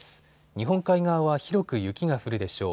日本海側は広く雪が降るでしょう。